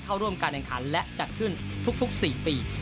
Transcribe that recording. เข้าร่วมการแข่งขันและจัดขึ้นทุก๔ปี